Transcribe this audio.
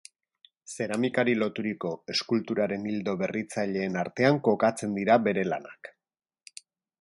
Zeramikari loturiko eskulturaren ildo berritzaileen artean kokatzen dira bere lanak.